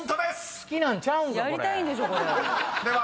好きなんちゃうんか？